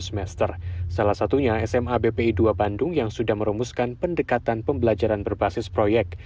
salah satunya sma bpi dua bandung yang sudah merumuskan pendekatan pembelajaran berbasis proyek